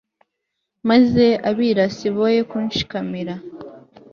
maze abirasi boye kunshikamira